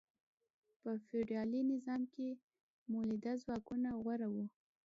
په فیوډالي نظام کې مؤلده ځواکونه غوره وو.